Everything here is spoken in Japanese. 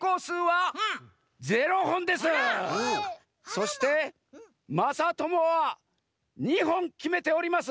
そしてまさともは２ほんきめております。